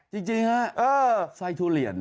จริงฮะไส้ทุเรียน